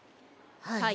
はい。